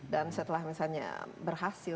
dan setelah misalnya berhasil